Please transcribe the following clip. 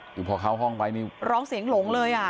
อยู่พอเข้าห้องไปร้องเสียงหลงเลย